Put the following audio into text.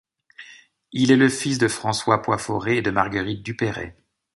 Il est le fils de François Poyferré et de Marguerite Dupeyré.